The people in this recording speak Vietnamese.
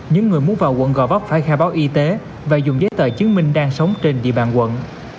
những người muốn vào quận gò vấp phải khai báo y tế và dùng giấy tờ chứng minh đang sống trên địa bàn quận